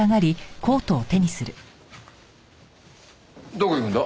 どこ行くんだ？